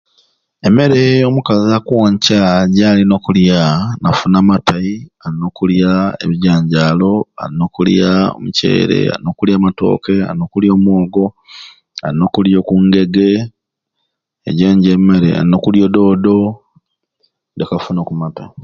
Emmere omukazi akwonca jalina okulya afune amatai alina okulya ebijanjalo, alina okulya omuceere, alina okulya amatoke, alina okulya omwogo, alina okulya oku ngege ejo nijo emmere alina okulya ododdo leke afune okumatai.